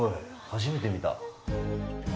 初めて見た。